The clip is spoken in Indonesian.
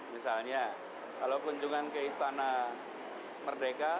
misalnya kalau kunjungan ke istana merdeka